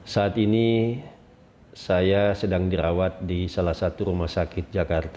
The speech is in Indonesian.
saat ini saya sedang dirawat di salah satu rumah sakit jakarta